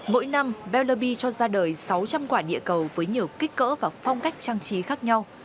mỗi năm belarby cho ra đời sáu trăm linh quả địa cầu với nhiều kích cỡ và phong cách trang trí khác nhau